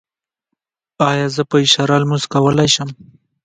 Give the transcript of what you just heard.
ایا زه په اشاره لمونځ کولی شم؟